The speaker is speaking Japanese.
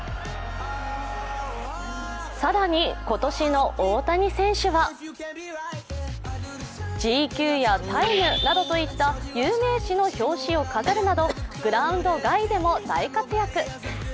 更に今年の大谷選手は「ＧＱ」や「ＴＩＭＥ」などといった有名誌の表紙を飾るなど、グラウンド外でも大活躍。